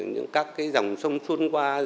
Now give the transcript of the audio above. những các cái dòng sông xuân qua